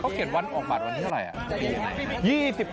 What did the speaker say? เขาเก็บวันออกบัตรวันเท่าไหร่